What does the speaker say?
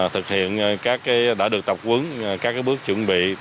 thực hiện các cái đã được tập quấn các cái bước chuẩn bị